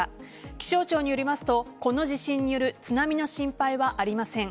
気象庁によりますとこの地震による津波の心配はありません。